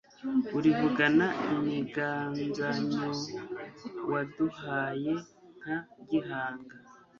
Urivugana imiganzanyoWaduhaye nka Gihanga,